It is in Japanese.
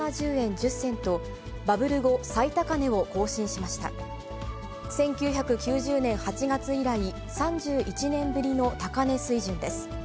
１９９０年８月以来、３１年ぶりの高値水準です。